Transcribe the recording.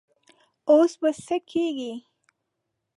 اوس به څه کيږي؟